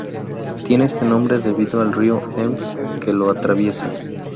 Tiene este nombre debido al río Ems que lo atraviesa.